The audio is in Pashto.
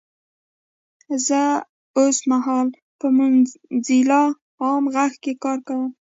زه اوسمهال په موځیلا عام غږ کې کار کوم 😊!